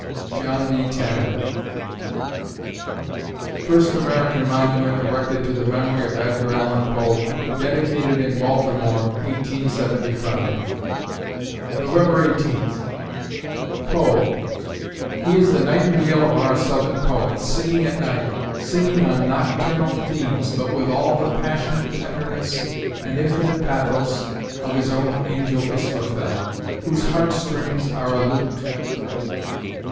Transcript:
JOHN B. TABB First American Monument erected to the memory of Edgar Allan Poe dedicated in Baltimore, 1875 November Eighteenth POE He is the nightingale of our Southern poets singing at night, singing on nocturnal themes, but with all the passionate tenderness and infinite pathos of his own angel Israfel, "whose heart strings are a lute."